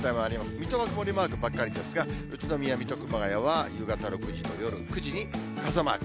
水戸は曇りマークばっかりですが、宇都宮、水戸、熊谷は、夕方６時と夜９時に傘マーク。